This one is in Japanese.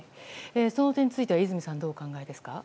その点については泉さんはどのようにお考えですか。